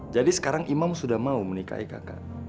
jadi sekarang imam sudah mau menikahi kakak